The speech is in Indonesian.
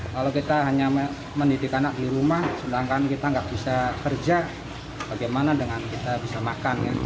kalau kita hanya mendidik anak di rumah sedangkan kita nggak bisa kerja bagaimana dengan kita bisa makan